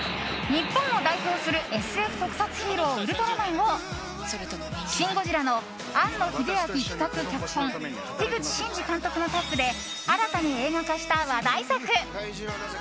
日本を代表するＳＦ特撮ヒーロー「ウルトラマン」を「シン・ゴジラ」の庵野秀明企画・脚本樋口真嗣監督のタッグで新たに映画化した話題作。